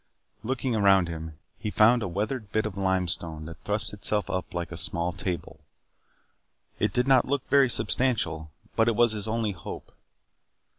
Looking about him, he found a weathered bit of limestone that thrust itself up like a small table. It did not look very substantial but it was his only hope.